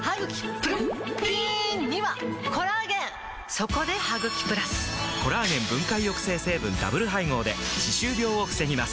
そこで「ハグキプラス」！コラーゲン分解抑制成分ダブル配合で歯周病を防ぎます